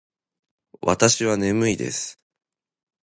わたしはねむいです。